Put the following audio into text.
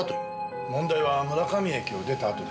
問題は村上駅を出たあとです。